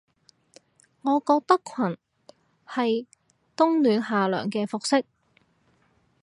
我覺得裙係冬暖夏涼嘅服飾